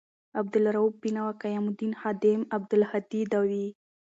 عبدا لروؤف بینوا، قیام الدین خادم، عبدالهادي داوي